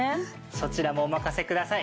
そちらもお任せください。